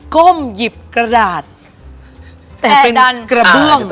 ก้มหยิบกระดาษแต่เป็นกระเบื้อง